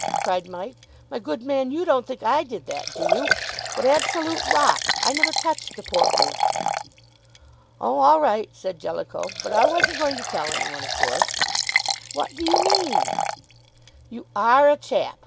cried Mike. "My good man, you don't think I did that, do you? What absolute rot! I never touched the poor brute." "Oh, all right," said Jellicoe. "But I wasn't going to tell any one, of course." "What do you mean?" "You are a chap!"